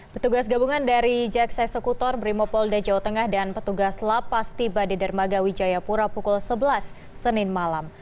petugas gabungan dari jaksa eksekutor brimopolda jawa tengah dan petugas lapas tiba di dermaga wijayapura pukul sebelas senin malam